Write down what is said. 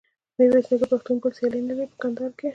میرویس نیکه پوهنتون بل سیال نلري په کندهار کښي.